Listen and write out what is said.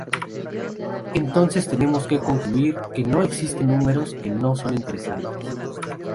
Entonces tenemos que concluir que no existen números que no son interesantes.